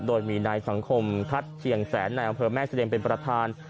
โดยมีนายสังคมทัศน์เชียงแสนในอำเภอแม่เสรียงเป็นประธาน